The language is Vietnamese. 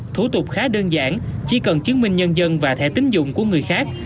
thủ tục khá đơn giản chỉ cần chứng minh nhân dân và thẻ tính dụng của người khác